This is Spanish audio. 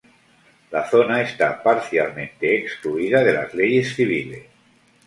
La zona está parcialmente excluida de las leyes civiles.